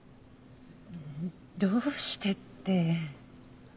どうしてって。